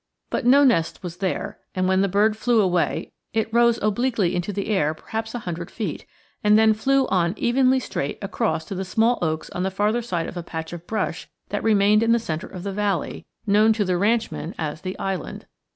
But no nest was there, and when the bird flew away it rose obliquely into the air perhaps a hundred feet, and then flew on evenly straight across to the small oaks on the farther side of a patch of brush that remained in the centre of the valley, known to the ranchmen as the 'Island.'